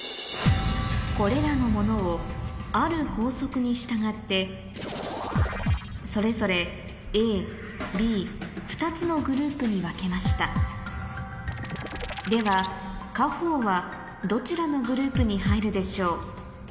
これらのものをある法則に従ってそれぞれＡＢ２つのグループに分けましたでは「かほう」はどちらのグループに入るでしょう？